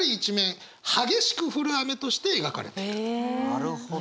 なるほど。